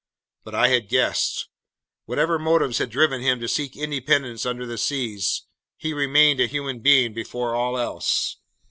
But I had guessed. Whatever motives had driven him to seek independence under the seas, he remained a human being before all else!